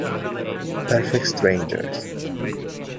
Perfect Strangers